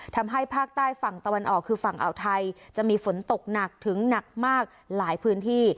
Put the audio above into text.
ทำให้ภาคใต้ฝั่งตะวันออกคือฝั่งอ่าวไทยจะมีฝนตกหนักถึงหนักมากหลายพื้นที่